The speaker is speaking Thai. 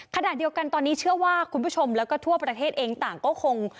ขณะเดียวกันตอนนี้เชื่อว่าคุณผู้ชมแล้วก็ทั่วประเทศเองต่างก็คง